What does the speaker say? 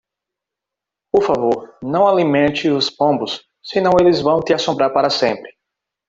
Por favor, não alimente os pombos, senão eles vão te assombrar para sempre!